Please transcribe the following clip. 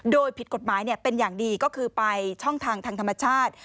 โดยผิดกฎหมายเป็นอย่างดีก็คือไปช่องทางทางธรรมชาติ